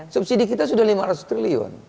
subsidi kita sudah lima ratus triliun